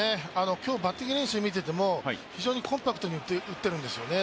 今日、バッティング練習を見ていても、非常にコンパクトに打っているんですね。